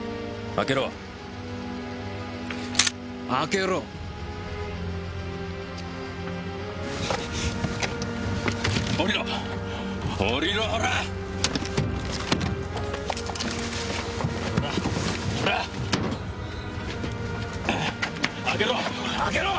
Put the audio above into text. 開けろ！